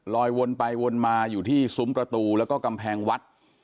วนไปวนมาอยู่ที่ซุ้มประตูแล้วก็กำแพงวัด